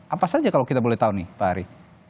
apa saja kalau kita boleh tahu nih pak ari